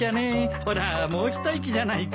ほらもう一息じゃないか。